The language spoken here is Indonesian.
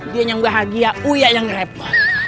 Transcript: dia yang bahagia uyak yang repot